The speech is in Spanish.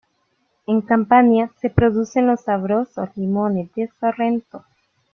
En Campania se producen los sabrosos limones de Sorrento.